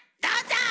どうぞ！